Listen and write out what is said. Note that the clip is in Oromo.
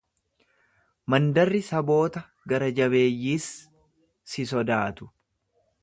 Mandarri saboota gara-jabeeyyiis si sodaatu.